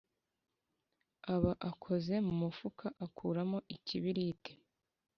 aba akoze mu mufuka akuramo ikibiriti,